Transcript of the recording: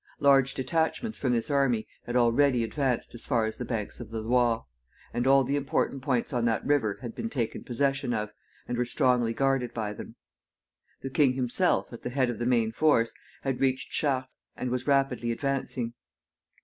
Large detachments from this army had already advanced as far as the banks of the Loire, and all the important points on that river had been taken possession of, and were strongly guarded by them. The king himself, at the head of the main force, had reached Chartres, and was rapidly advancing.